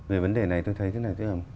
về vấn đề này tôi thấy thế này là